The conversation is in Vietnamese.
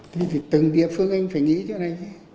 thì từng địa phương anh phải nghĩ cho này chứ